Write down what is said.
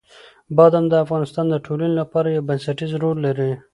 بادام د افغانستان د ټولنې لپاره یو بنسټيز رول لري.